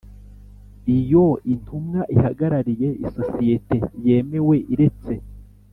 Iyo intumwa ihagarariye isosiyete yemewe iretse